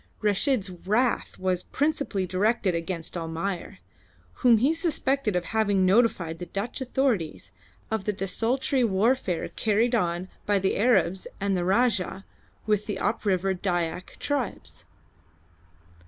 Reshid's wrath was principally directed against Almayer, whom he suspected of having notified the Dutch authorities of the desultory warfare carried on by the Arabs and the Rajah with the up river Dyak tribes.